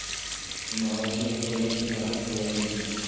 د مهاراجا سپایان په سرحد کي ولاړ دي.